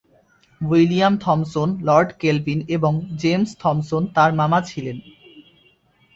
William Thomson, Lord Kelvin এবং James Thomson তাঁর মামা ছিলেন।